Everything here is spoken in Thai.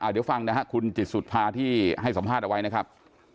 เดี๋ยวฟังนะครับคุณจิตสุภาที่ให้สัมภาษณ์เอาไว้นะครับ